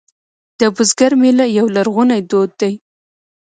د بزګر میله یو لرغونی دود دی